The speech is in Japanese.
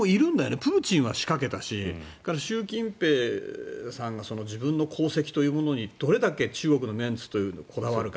プーチンは仕掛けたし習近平さんが自分の功績というものにどれだけ中国のメンツにこだわるか。